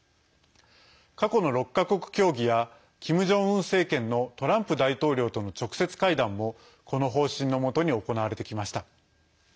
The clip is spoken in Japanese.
過去の６か国協議やキム・ジョンウン政権のトランプ大統領との直接会談もこの方針のもとに行われてきました。